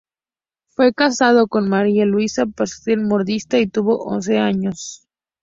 Fue casado con María-Luisa Pasquier, modista y tuvo once niños.